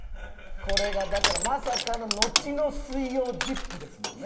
これがだからまさかののちの水曜『ＺＩＰ！』ですもんね。